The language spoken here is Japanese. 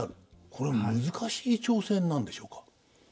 これは難しい挑戦なんでしょうか？